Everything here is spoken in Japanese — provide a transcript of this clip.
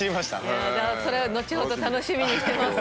じゃあそれは後ほど楽しみにしてます。